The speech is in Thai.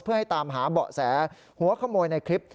เพื่อให้ตามหาเบาะแสหัวขโมยในคลิป